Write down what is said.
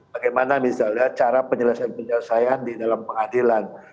bagaimana misalnya cara penyelesaian penyelesaian di dalam pengadilan